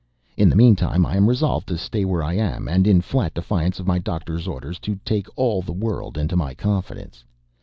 In the meantime I am resolved to stay where I am; and, in flat defiance of my doctor's orders, to take all the world into my confidence.